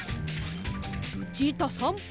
ルチータさん